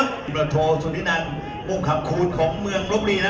บรรโธสุดที่นั่นมุมขับคูณของเมืองรบรีนะ